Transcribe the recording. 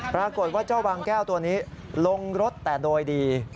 ปรากฏว่าเจ้าบางแก้วตัวนี้ลงรถแต่โดยดี